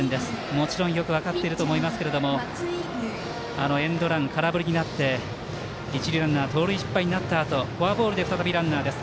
もちろんよく分かっていると思いますけどエンドラン、空振りになって一塁ランナー盗塁失敗になったあとフォアボールで再びランナーです。